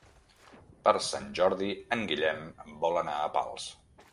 Per Sant Jordi en Guillem vol anar a Pals.